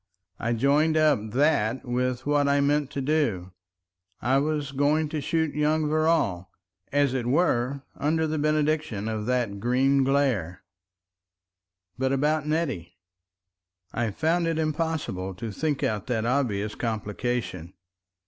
I joined up that with what I meant to do. I was going to shoot young Verrall as it were under the benediction of that green glare. But about Nettie? I found it impossible to think out that obvious complication.